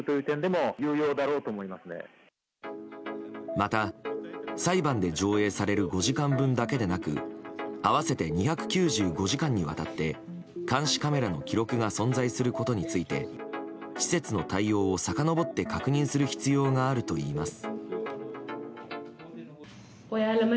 また、裁判で上映される５時間分だけでなく合わせて２９５時間にわたって監視カメラの記録が存在することについて施設の対応をさかのぼって確認する必要があるといいます。